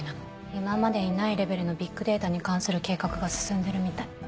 今までにないレベルのビッグデータに関する計画が進んでるみたい。